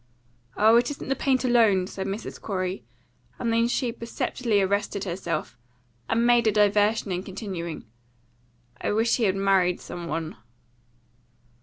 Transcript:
"Oh, it isn't the paint alone," said Mrs. Corey; and then she perceptibly arrested herself, and made a diversion in continuing: "I wish he had married some one."